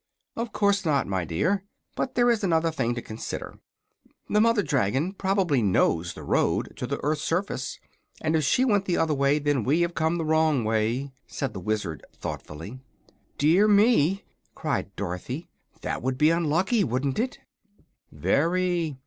"Of course not, my dear. But there is another thing to consider. The mother dragon probably knows the road to the earth's surface, and if she went the other way then we have come the wrong way," said the Wizard, thoughtfully. "Dear me!" cried Dorothy. "That would be unlucky, wouldn't it?" "Very.